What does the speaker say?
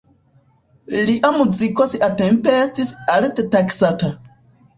Lia muziko siatempe estis alte taksata.